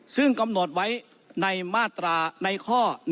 ซึ่งกำหนดไว้ในมาตราในข้อ๑